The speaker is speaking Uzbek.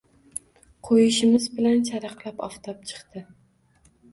Qo‘yishimiz bilan charaqlab oftob chiqdi.